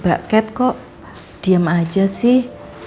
mbak cat kok diam aja sih